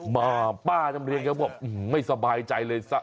อ๋อมาป้าจำเรียงก็บอกอืมไม่สบายใจเลยสะ